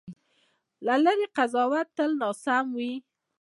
له لرې قضاوت تل ناسم وي.